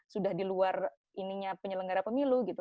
sudah di luar ininya penyelenggara pemilu gitu